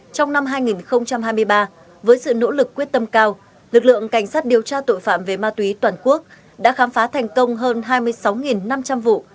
trong năm hai nghìn hai mươi ba với sự nỗ lực quyết tâm cao lực lượng cảnh sát điều tra tội phạm về ma túy toàn quốc đã khám phá thành công hơn hai mươi sáu năm trăm linh vụ